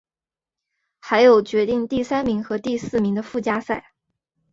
还有决定第三名和第四名的附加赛。